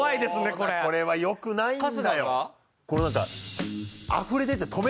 これはよくないんだよ。